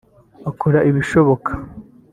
akora ibishoboka